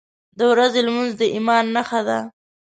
• د ورځې لمونځ د ایمان نښه ده.